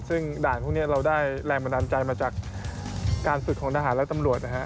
ซึ่งด่านพวกนี้เราได้แรงบันดาลใจมาจากการฝึกของทหารและตำรวจนะฮะ